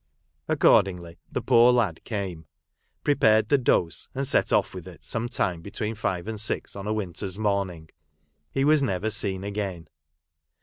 Accordingly the poor lad came, prepared the dose, and set off with it sometime between five and six on a winter's morning. He was never seen again.